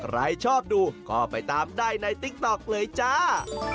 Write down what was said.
ใครชอบดูก็ไปตามได้ในติ๊กต๊อกเลยจ้า